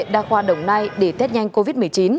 đa khoa đồng nai để tết nhanh covid một mươi chín